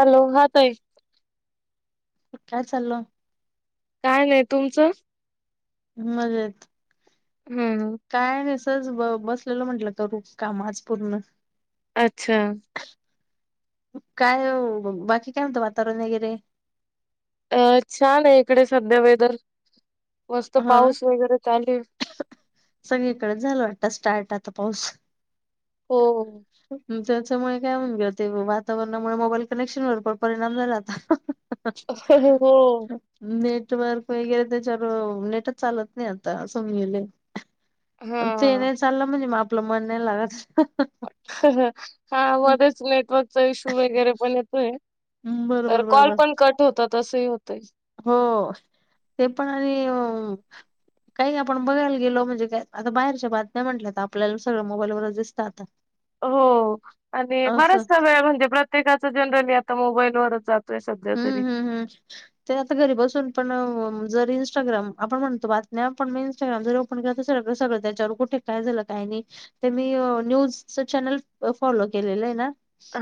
Hello हा ताई. काय चालं? काय नाही तुमचं. मजेत. हम्म. त बसलेलं म्हंटलं करू काम आज पूर्ण. अच्छा. काय बाकी काय म्हणतं वातावरण वगैरे? अ छान आहे इकडे सध्या वेदर मस्त हा पाऊस वगैरे चालू आहे सगळीकडे झाल वाटत स्टार्ट आता पाऊस. हो. त्याच्यामुळे काय होवून गेलं ते वातावरणामुळे मोबाईल कनेक्शनवर पण परिणाम झाला आता अ हं हं. अ हं हं हो. नेटवर्क वगैरे त्याच्यावर नेटच चालत नाही आता सो अस मेल ते हा नाही चाललं म्हणजे मग आपलं मन नाही लागत अ हं. अ हं हा मध्येच नेटवर्कचा इश्यू वगैरे पण ये होय, तर बरोबर कॉल बरोबर पण कट होतात असंही होतय. हो ते पण आणि अ काही आपण बघायला गेलो म्हणजे काय आता बाहेरच्या बातम्या म्हटल्या तर आपल्याला सगळं मोबाईलवरच दिसत आता हो आणि असं बर्याच सगळ म्हणजे प्रत्येकाच जनरली आता मोबाईलवरच हम्म हम्म हम्म ते आता घरी बसून पण जर इंस्टाग्राम आपण म्हणतो बातम्या पण मग इंस्टाग्रामर आपण सगळं सगं त्याच्यावर कुठे काय झालं? काय ना ते मी न्यूज चॅनल फॉलो केलेलंयं ना.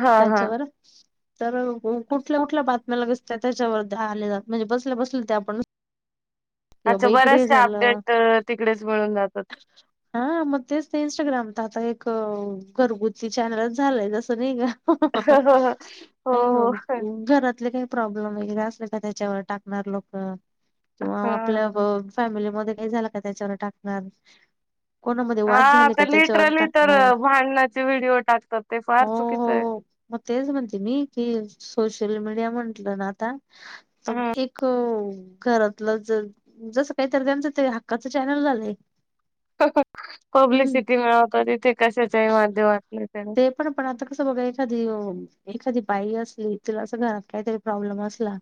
हा हा त्याच्यावर तर कुठल्या कुठल्या बात म लगेंच त्या त्याच्यावर त्या आले जात म्हणजे बसल्या बसल्या ते आपण कि अच्छा बाबा इकडे बऱ्याचशा झालं अपडेट तिकडेच मिळून जातात हा मग तेच ते इंस्टाग्राम आता एक घरगुती चॅनलचं झालाय जसं नाही का? हं हं हं नाई ग हो हो मी घरात त काही प्रॉब्लेम वगैरे असले का त्याच्यावर टाकणार लोक किंवा आपल्या हा ब फॅमिली मध्ये काही झालं का त्याच्यावर टाकणार. कोणामध्ये हा वाद झाले का आता त्याच्यावर लिटरली तर टाकणार भांडणाचे व्हिडिओ टाकतात ते फार चुकीचंयं. म तेच म्हणते मी की सोशल मीडिया म्हटलं ना आता हा. एक घरातलं ज जसं काहीतरी त्यांच ते हक्काचं चॅनल झालंय. हं हं हम्म. पब्लिसिटी मिळवतात ईथे कशाच्याही माध्यमातनं. ते पण पण आता कसं बघा एखादी अ एखादी बाई असली तिला अस घरात काहीतरी प्रॉब्लेम असला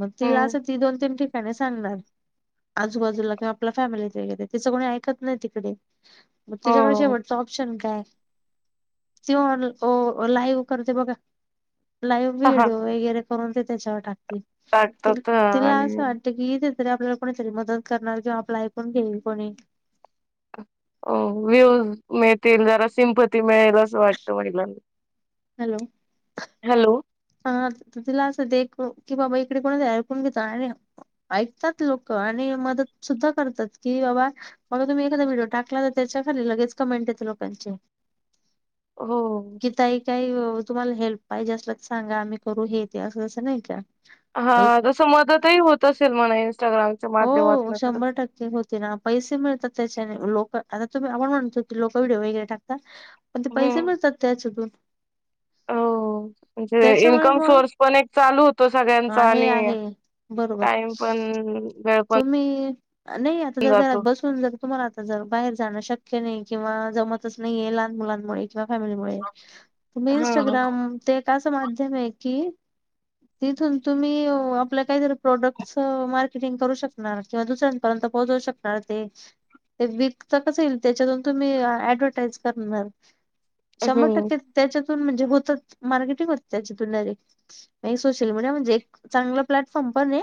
मग तिला हम्म अस ती दोन ठिक कानी सांगणार आजूबाजूला किंवा आपल्या फॅमिलीत वगैरे तिचं कोणी ऐकत नाही तिकडे. मग तिज्याकडे हो. शेवटचा ऑप्शन काय? ति ऑन अ लाईव्ह करते बघा लाईव्ह ह हा व्हिडिओ वगैरे करून ते त्याच्यावर टाकते ती टाकतात हा तिला आणि असं वाटत की इथे तरी आपल्याला कोणीतरी मदत करणार किंवा आपलं ऐकून घेईल कोणी अ व्ह्यूज मिळतील जरा सिंपती मिळेल असं वाटतं महिलांना. हॅलो हॅलो ह त तिला असं ये एक की बाबा इकडे कोणीतरी ऐकून घेत आणि ऐकतात लोक आणि मदत सुद्धा करतात की बाबा मला तुम्ही एखादा व्हिडिओ टाकला ना त्या च्याखाली लगेच कमेंट येते लोकांची. हो. कि ताई काही अ तुम्हाला हेल्प पाहिजे असल सांगा आम्ही करू हेे ते असं तसं नाही का? हा एक तस मदतही होत असेल म्हणा इन्स्टाग्राम हो शंभर टक्के होती ना पैसे मिळतात त्याच्याने लोक आता तुम्ही आपण म्हणतो कि लोक विडिओ वगैरे टाकता पण, ते पैसे हम्म. मिळतात त्याच्यातून. हो म्हणजे त्याच्यामुळे इन्कम मग सोर्स पण एक चालू होतो सगळ्यांचा आहे आणि आहे बरोबर कायम पण वेळ पण तुम्ही नाही आता जर घरात जातो बसून जर तुम्हाला आता ज बाहेर जाणं शक नाही किंवा जमतच नाहीये लहान मुलांमुळे केव्हा फॅमिलीमुळे तुम्ही हा. इं्स्टाग्राम ते एक असं माध्यम आहे कि तिथून तुम्ही आपल्या काहीतरी प्रोडक्टार टिंग करू शकणार किंवा दुसऱ्यांपर्यंत पोहोचवू शकणार ते ते वि कता कसं येईल त्याच्यातून तुम्ही ऍडव्हटाइज करणार शंभर हम्म. टक्के त्याच्या तुन म्हणजे होतंच मार्केटिंग होत त्याच्यातून डायरेक्ट नाही सोशल मीडिया म्हणजे चांगला प्लॅटफॉर्म बनेये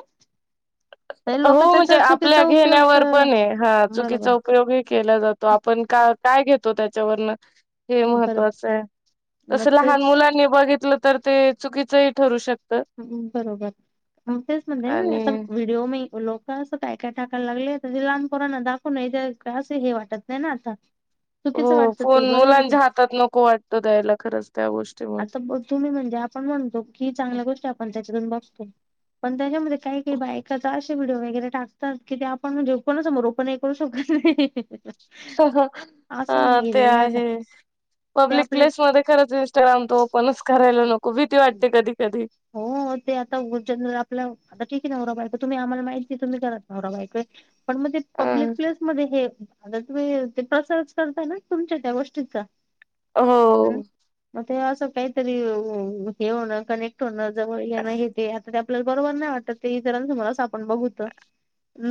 होओ म्हणजे आपल्या उपयोग घेण्यावर अ, पण आहे हा बरोबर चुकीचा उपयोगही केला जातो आपण का काय घेतो त्याच्यावर हे बरं महत्वाचं आहे मग तस लहान तेच मुलांनी बघितलं तर ते चुकीचंही ठरू शकत हम बरोबर हम तेच म्हणले ना मी आणि आता व्हिडिओ म लोक असं काय काय टाकायला लागले ते लहानपोरांना दाखवूनही द्या असे हे वाटत नाही ना आता चुकीचं हो वाटतं ते फोन बरोबर आहे की. मुलांच्या हातात नको वाटतो द्यायला खरंच त्या गोष्टीमुळे जे आपण म्हणतो क चांगल्या गोष्टी आपण त्याच्यातून बतो पण त्याच्यामध्ये काही का बायका व्हीडीओ वगैरे टाकतात कि ते आपण म्हणजे [unintelligible] समोर ओपन करू शकत हीहीही सह हा ते आता आहे ते पब्लिक आपले प्लेसमध्येध्ये खरंच इं्स्टाग्राम तो पणच करायला नको भीती वाटते कधी कधी हो ते आता [unintelligible] आपला आता ठीक नवरा बायक तुम्ही आम्हाला माहिती आहे तुम्ही करत नवरा बायक पण मग ते पब्लिक अ प्लेसमध्येध्ये हे आता तुम्ही ते प्रसारच करताय ना तुमच्या त्या गोष्टीचा हो हम्म मग ते असं काहीतरी हे होण कनेक्ट होणं जवळ येण हे आता आपल्याला बरोबर नाही वाटत ते इतर तुमला अस आपण बघूत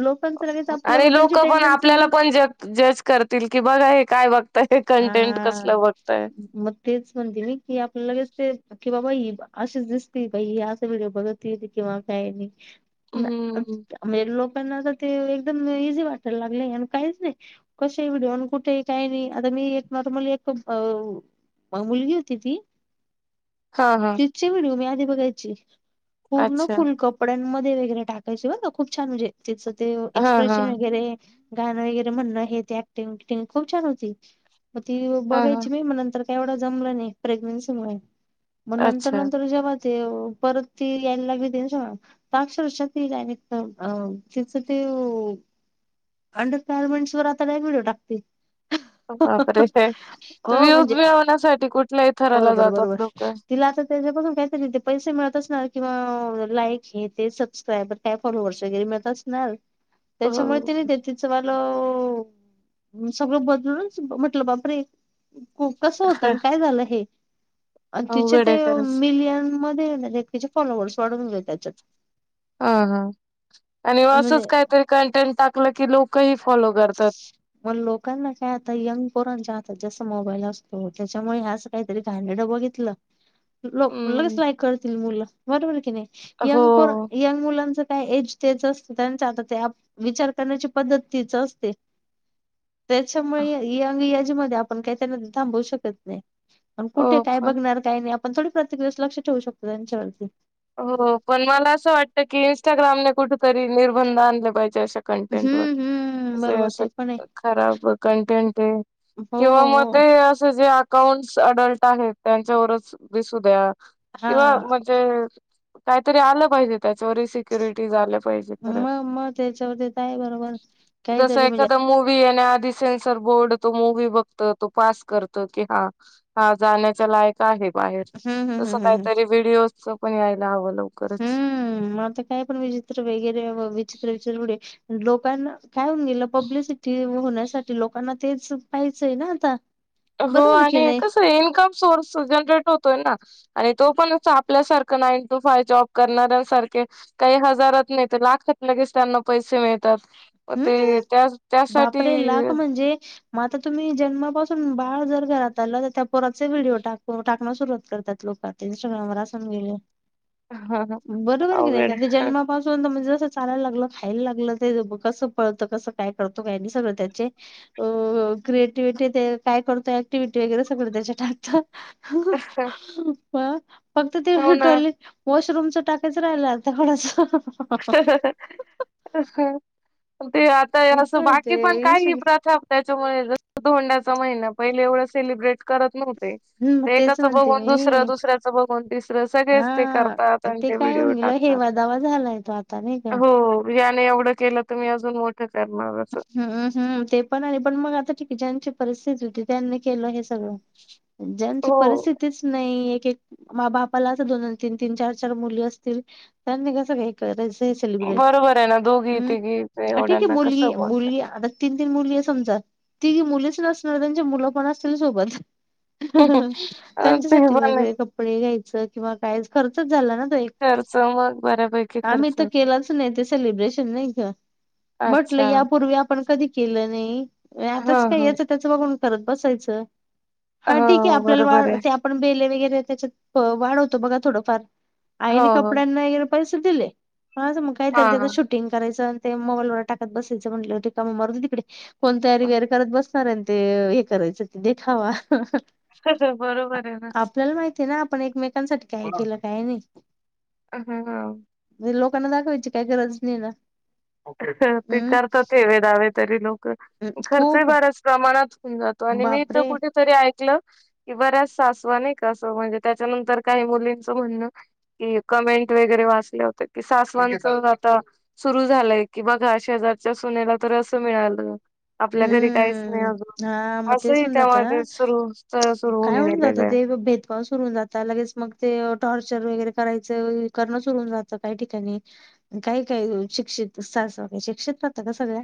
लोकांच लगेच आणि आपल्याबद्दलची लोक पण टेंडन्सी आपल्याला पण ज जज करतील कि बघा हे काय बघता हा मग तेच म्हणते मी कि आपल्या लगेच ते की बाबा ही अशीच दिसते का ही असा व्हिडिओ बघत येई किंवा काय हम्म [unintelligible] [inaudible] मेरे लोक पण आ ता ते एकदम इझी वाटायला लागलय आन काहीचं नाही कशे विडिओ कुठे काही नाही मी एक नॉर्मल एक अ मुलगी होती ती हा हा तिची व्हिडिओ मी आधी बघायची पूर्ण अच्छा फुल कपड्यां मध्ये वगैरे टाकायचे हो ना खूप छान म्हजे त्याच ते हा हा एक्सप्रेशन वगैरे गाणं वगैरे म्हणणं हे ते ऍक्टिंग विकटिंग खूप छान होती मग ती हा हा बघायची मी मग नंतर वढ जमलं नाही प्रेग्न्सी मुळे मग नंतर अच्छा नंतर जेव्हा ते परत ती यायलाी देन अक्षरशात येई तिच ते अंडर गारमेंट् वर आता व्हिडिओ टाकते बापरे हो वूज म्हणजे मिळवण्यासाठी कुठे बरोबर बरोबर तिला आता त्याच्यापासून काहीच ते पैसे मिळतच ना किंवा लाईक हे ते सबस्क्राईबर काय फॉलोवर्स वगैरे मिळत असणार हो त्याच्यामुळे तिने ते तिचं वालं हो सगळं बदलूनच म्हटलं बाप रे कस होत काय झालं मिन अवघड आहे खरंच कीचे फॉलोवर्स वाढून त्याच्यात ह ह आणि असच म्हणजे काहीतरी कंटेंट टाकलं की लोकही फॉलो करतात मग लोकांना काय आता यंग पोरांच्या हातात जस मोबाईल असतो त्याच्यामुळे अस असं काहीतरी घड ब घेतलं ल लगेच हम्म लाईक करतील मुलं बरोबर की नाही हो यंग प यंग मुलांच काय एज तेच असत त्यांचा आता ते विचार करण्याची पद्धतीच असते त्याच्यामुळे अंग याजमध्येध्ये आपण काही त्यांना थांबवू शकत नाही पण कुठे हो काय पण बघणार काय नाही आपण थोडी प्रत्येकवस लक्ष ठेवू शकतो त्यांच्यावरती हो पण मला असं वाटत की इनस्टा ्राम कुठेतरी निर्बंध आणले पाहिजे अशा कंटेंट व हम्म हम्म जे बरोबर अस ते पण आहे खराब कंटेंट आहे हो किंवा मग हो ते असं जे अकाउंट्स अडल्ट आहेत त्यांच्यावरच दिसू द्या हा किंवा म्हणजे काहीतरी आलं पाहिजे त्याच्यावरही सिक्युरिटी झाल्या मग मग त्याच्यावर ते काय बरोबर जसा काहीतरी म्हणजे एखाद्या मोठी येण्याआधीच सेन्सर बोर्ड तो मुूवी बघत तो पास करत की हा हा जाण्याच्या लाक बाहेर हम्म हम्म तस हम्म हम्म काहीतरी व्हिडओ पण हवं लवकरच हम्म आता काय पण विचित्र वगैरे विचित्र विचार लोकांना काय होऊन गेलं पब्लिसिटी होण्यासाठी लोकांना तेच पाहिचं आहे ना आता हो बरोबर की आणि नाही कसं इन्कम सोर्स जनरेट होत तो पण आपल्या सारख नाही काही हजार नाही लाखात लगेच त्यांना पैसे मिळ हम्म बापरे लाख म्हणजे मग आता तुम्ही जन्मापासून बाळ जर घरात आलं तर त्याोतचे व्हिडिओ टाक टाक सुरवात करतात लोकात इंस्टाग्रामवर ह बरोबर कि अवघड नाही आहे. जन्मापासून तर म्हणज चालायला लागलं खायला लागलं ते कस पळत कस काय करतो काय सगळ त्याचे क्रिएटिव्हटी काय करतो एक्टिवि्हटी वगैरे सगं त्याच्या टाकत अ हा फक्त ते टॉयलेट वॉशरूमच टाकायचं राहिलं आता डस [unintelligible] ते आता असं येतोय ते बाकी पण काही ह इन्स्टंट प्रथा ोंडाचा महिना पहि एवढं सेलिब्रेट करत नव्हतं हम्म ते तेच एकाच म्हणते बघून दुसरं मी दुसऱ्याच बघून तिसरं सगळेच ते करतात त्यांचे व्हिडिओ त टाकतात. हेवा दवा झालाय तो आता नाही का ने एवढं केलं तरु मी अजून मोठं करणार असं. हम ते पण आहे पण मग आता ठीक ज्यांची परिस्थिती होती त्यांनी केलं हे ज्यांची हो परिस्थिच नाही बापाला दोन तीन तीन चार चार मुली असतील त्यांनी कस व क ब्र बरोबर आहे ना दोघी तिघी ठीकल एवढ्यांना कसं बोलत मुली समज ती मुलीच नसणार त्यां मुलं पण असतील सोबत ते त्यांच्यासाठी पण आहे. वेगळे कपडे घ्यायचं किंवा काय खर्चच झाला ना खर्च मग बऱ्यापैकी आम्ही खर्च तर होतो. केलाच नाही ते सेलिब्रेशन नाही घ अच्छा पूर्वी आपण कधी केलं नाही, हा आताच काही हा याच त्याच बघून करत बसायचं हा ठीक आहे हो आपल्याला बरोबर वा आहे ते आपण बेले वगैर त्याच्यात वाढवतो बघा थोडंफार हो आईने हो कपड्यांना एकैर पैसे दिले म मग हा कायतरी हा त्याच शूटिंग करायचं ते मोबाईल व टाकत बसायचं म्हटलं होते का म मारन हो तिकडे कोण तयारी वेर करत बस सऱ्यां ते हे करायचं ते देखावा. हं हं हं हं बरोबर आहे ना लोकांसाठी काय केलं काये नाही ह मनजे लोक पणा दक विची काय गरज नाही आहे ना ते हम्म करतात ठेवे दावे तरी लोक खर्च खूप बऱ्याच प्रमाणात जातो आणि मी इथं बापरे कुठेतरी ऐकलं बऱ्याच सासवा का नाय का म्हणजे त्याच्यानंतर काही मुलींच म्हण कि कमेंट वगैरे वाचले होते कि सासवानच आता सुरु झा झालंय की बघा शे हजारच्या ससुनेला तर असं मिळाल आपल्या घरी काहीच नाही हम्म हां अजून मग तेच असही होऊन जातं त्यामध्ये सुरू सुरु होऊन ग पे जे भेदभाव सुरून जातात लगेच मग ते टॉर्चर वगैरे करायचंणं सुरून जात काही ठिकाणी काही काय शिक्षित शिक्षित होतं का सगळ्या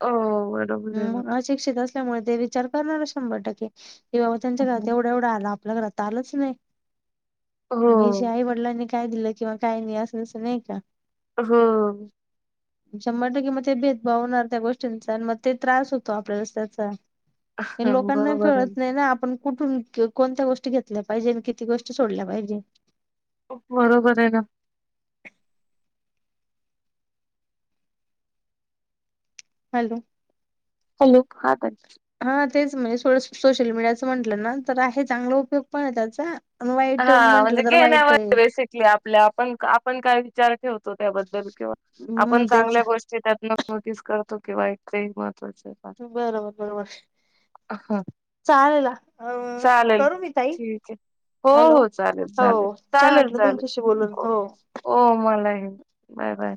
ह. हम् अशिक्षित असल्यामुळे ते विचार करणार शंभर टक्के. ते बाबा त्यांच्या घरात एवढा एवढा आला आपल्या घरात आलंच नाही म्हगहिझ्या हो आई वडिलांनी काय दिलं किंवा काय नाही असेल अस नाही का? हम्. शंभर टक्के मग ते भेदभाव होणार त्या गोष्टींचा आणि मग ते त्रास होतो आपल्याला त्याचा हे हो, लोकांना बरोबर आहे कळत नाही ना आपण कुठून कोणत्या गोष्टी घेतल्या पाहिजे, आणि किती गोष्टी सोडल्या पाहिजे. बरोबर आहे ना. हॅलो. हॅलो हा ताई. हा तेच म्हणजे सोशल मीडियाचं म्हंटलं ना तर आहे चांगला उपयोग पण त्याचा आणि वाईट हा म्हणजे म्हंटलं तर वाईट घेण्यावर आहे बेसिकली आपल्या आपण आपण काय विचार ठेवतो त्याबद्दल हम्म आपण तेच चांगल्या गोष्टी त्यात नोटीस करतो किंवा एक बरोबर बरोबर. हा चालेल अ चालेल करू मी ताई ठीक आहे हो हॅलो हो चालेल हो चालेल छान चालेल वाटलं चालेल तुमच्याशी बोलून ओ हो. हो मलाही बाय बाय.